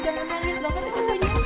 gak masuk aja